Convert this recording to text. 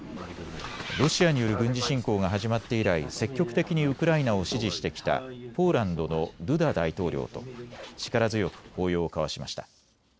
ロシアによる軍事侵攻が始まって以来、積極的にウクライナを支持してきたポーランドのドゥダ大統領と力強く抱擁を交わしました。